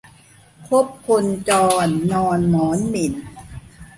คบคนจรนอนหมอนหมิ่น